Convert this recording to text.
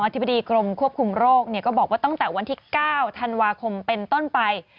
ธิบดีกรมควบคุมโรคก็บอกว่าตั้งแต่วันที่๙ธันวาคมเป็นต้นไป